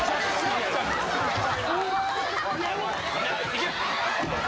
行け！